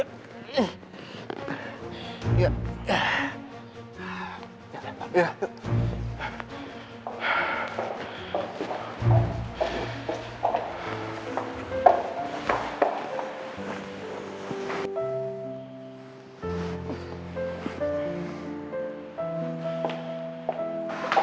dia kelihatan takut sekali kehilangan mir